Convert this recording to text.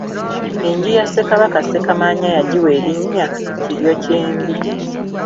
Enju ya Ssekabaka Ssekamaanya yagiwa erinnya Kiryokyembi.